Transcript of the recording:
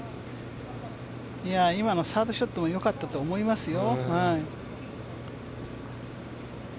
今のサードショットもよかったと思いますね。